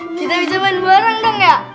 kita bisa main bareng dong ya